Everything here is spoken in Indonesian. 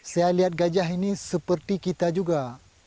saya lihat gajah ini seperti kita juga